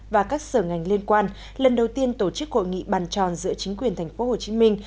và các sở ngành liên quan lần đầu tiên tổ chức hội nghị bàn tròn giữa chính quyền thành phố hồ chí minh